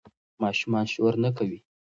ماشومان شور نه کوي.